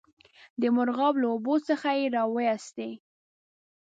د مرغاب له اوبو څخه یې را وایستی.